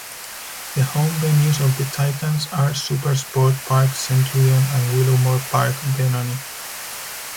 The home venues of the Titans are SuperSport Park, Centurion and Willowmoore Park, Benoni.